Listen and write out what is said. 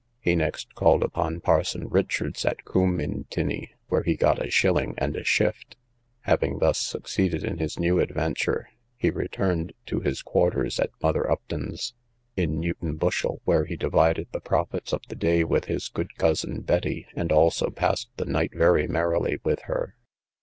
He next called upon parson Richards, at Coombe, in Tinney, where he got a shilling and a shift. Having thus succeeded in his new adventure, he returned to his quarters at mother Upton's, in Newton Bushel, where he divided the profits of the day with his good cousin Betty, and also passed the night very merrily with her.